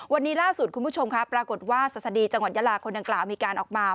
วันนี้ล่าสุดคุณผู้ชมครับปรากฏว่าศดีจังหวัดยาลาคนดังกล่าวมีการออกมา